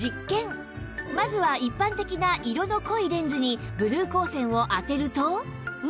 まずは一般的な色の濃いレンズにブルー光線を当てると